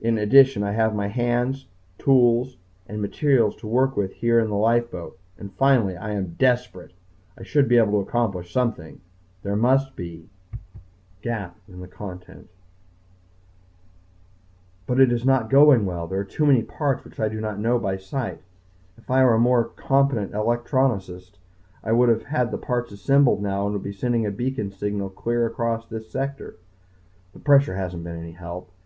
In addition, I have my hands, tools, and materials to work with here in the lifeboat. And finally I am desperate! I should be able to accomplish something. There must be ...... But it is not going well. There are too many parts which I do not know by sight. If I were a more competent electronicist I would have had the parts assembled now and would be sending a beacon signal clear across this sector. The pressure hasn't been any help.